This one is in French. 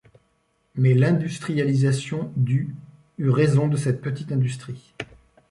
Mais l'industrialisation du eut raison de cette petite industrie.